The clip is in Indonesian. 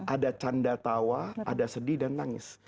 ada canda tawa ada sedih dan nangis